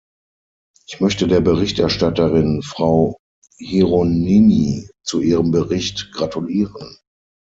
Ich möchte der Berichterstatterin, Frau Hieronymi, zu ihrem Bericht gratulieren.